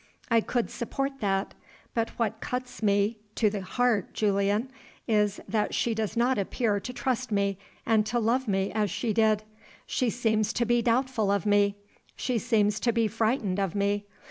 I could support that. But what cuts me to the heart, Julian, is, that she does not appear to trust me and to love me as she did. She seems to be doubtful of me; she seems to be frightened of me.